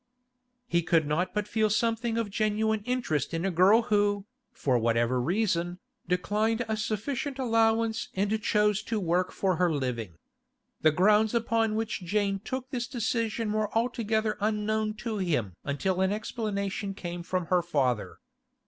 He could not but feel something of genuine interest in a girl who, for whatever reason, declined a sufficient allowance and chose to work for her living. The grounds upon which Jane took this decision were altogether unknown to him until an explanation came from her father.